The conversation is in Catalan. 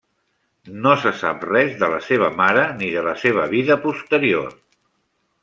No se sap res de la seva mare ni de la seva vida posterior.